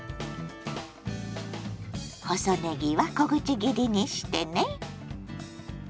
細ねぎは小口切りにしてね。